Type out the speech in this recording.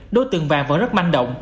đối tượng vàng vẫn rất manh động